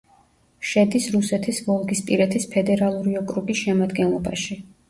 შედის რუსეთის ვოლგისპირეთის ფედერალური ოკრუგის შემადგენლობაში.